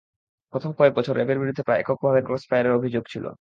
প্রথম কয়েক বছর র্যা বের বিরুদ্ধে প্রায় এককভাবে ক্রসফায়ারের অভিযোগ ছিল।